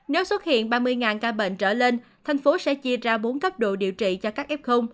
nếu xuất hiện ba mươi ca bệnh trở lên thành phố sẽ chia ra bốn cấp độ điều trị cho các f